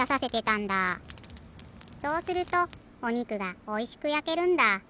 そうするとおにくがおいしくやけるんだ。